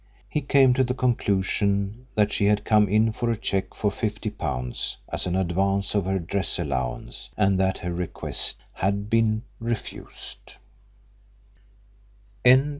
He came to the conclusion that she had come in for a cheque for £50 as an advance of her dress allowance, and that her request had been refused.